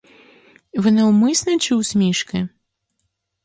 Ви навмисне чи у смішки?